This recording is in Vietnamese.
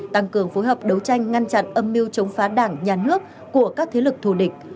tăng cường phối hợp đấu tranh ngăn chặn âm mưu chống phá đảng nhà nước của các thế lực thù địch